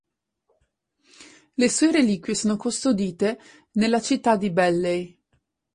Le sue reliquie sono custodite nella città di Belley.